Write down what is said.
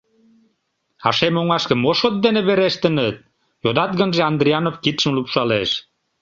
— А шем оҥашке мо шот дене верештыныт? — йодат гынже, Андрианов кидшым лупшалеш.